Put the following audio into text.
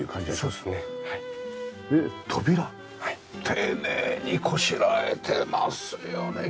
で扉丁寧にこしらえてますよね。